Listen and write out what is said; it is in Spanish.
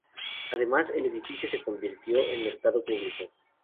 Además, el edificio se convirtió en mercado público.